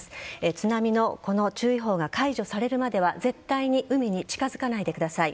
津波のこの注意報が解除されるまでは絶対に海に近づかないでください。